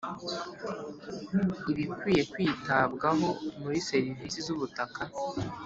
Ibikwiye kwitabwaho muri serivisi z ubutaka